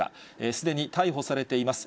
すでに逮捕されています。